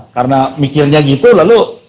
karena mikirnya gitu lalu